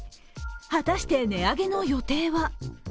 果たして値上げの予定は？